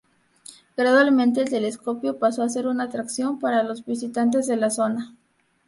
Gradualmente, el telescopio pasó a ser una atracción para los visitantes de la zona.